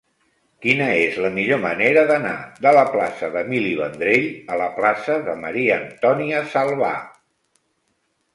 Quina és la millor manera d'anar de la plaça d'Emili Vendrell a la plaça de Maria-Antònia Salvà?